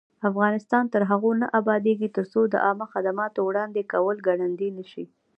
افغانستان تر هغو نه ابادیږي، ترڅو د عامه خدماتو وړاندې کول ګړندی نشي.